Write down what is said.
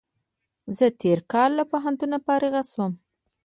زه تېر کال له پوهنتون فارغ شوم